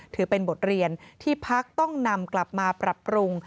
ถือเป็นบทเรียนที่พักต้องนำกลับมาปรับปรุง